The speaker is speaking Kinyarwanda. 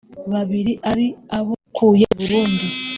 babiri ari abo yakuye i Burundi